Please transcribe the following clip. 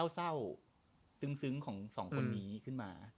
เศร้าซึ้งของสองคนนี้ขึ้นมา